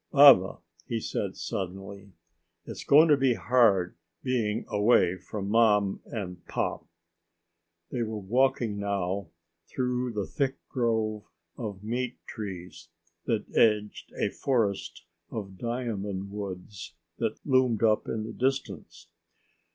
"Baba," he said suddenly, "it's going to be hard being away from Mom and Pop." They were walking now through the thick grove of meat trees that edged a forest of diamond woods that loomed up in the distance.